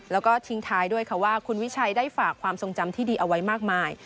แล้วก็ทิ้งท้ายด้วยค่ะว่าคุณวิชัยได้ฝากความทรงจำที่ดีเอาไว้มากมาย